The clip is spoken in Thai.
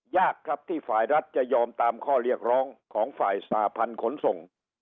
ยากครับที่ฝ่ายรัฐจะยอมตามข้อเรียกร้องของฝ่ายสหพันธ์ขนส่ง